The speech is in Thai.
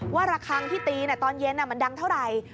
ว่าระครั้งที่ตีตอนเย็นมันดังเท่าไร